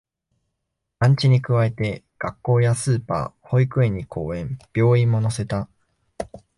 団地に加えて、学校やスーパー、保育園に公園、病院も乗せた